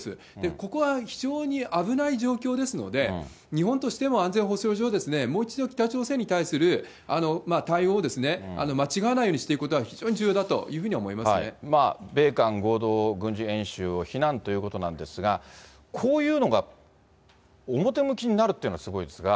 ここは非常に危ない状況ですので、日本としても安全保障上、もう一度、北朝鮮に対する対応を、間違わないようにしていくことは、非常に重要だというふうに思いままあ、米韓合同軍事演習を非難ということなんですが、こういうのが表向きになるってのがすごいですが。